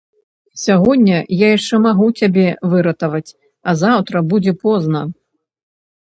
Сягоння я яшчэ магу цябе выратаваць, а заўтра будзе позна.